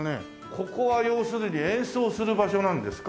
ここは要するに演奏する場所なんですか？